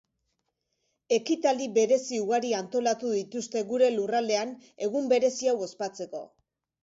Ekitaldi berezi ugari antolatu dituzte gure lurraldean egun berezi hau ospatzeko.